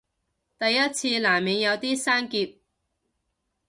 第一次難免有啲生澀